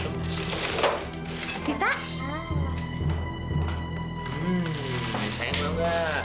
kamu aja juga sayang